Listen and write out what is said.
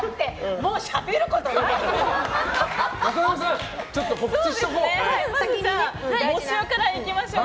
もうしゃべることないよ！